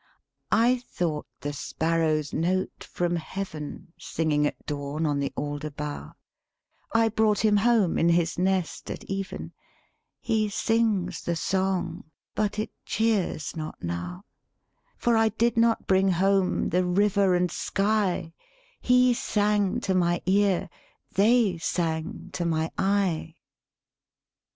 I thought the sparrow's note from heaven, Singing at dawn on the alder bough; I brought him home, in his nest, at even; He sings the song, but it cheers not now, For I did not bring home the river and sky; He sang to my ear, they sang to my eye.